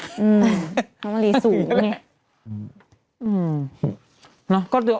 น้องลีสูงอย่างนี้อืม